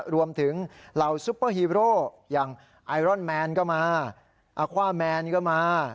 เหล่าซุปเปอร์ฮีโร่อย่างไอรอนแมนก็มาอาคว่าแมนก็มา